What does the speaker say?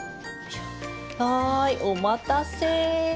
はいお待たせ。